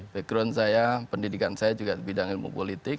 background saya pendidikan saya juga di bidang ilmu politik